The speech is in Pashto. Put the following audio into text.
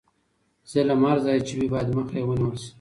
ظلم هر ځای چې وي باید مخه یې ونیول شي.